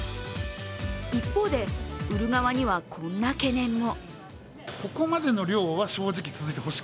一方で、売る側にはこんな懸念も。